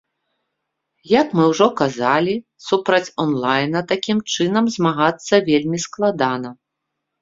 Як мы ужо казалі, супраць онлайна такім чынам змагацца вельмі складана.